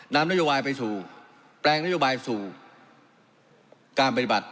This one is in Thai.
นำนโยบายไปสู่แปลงนโยบายสู่การปฏิบัติ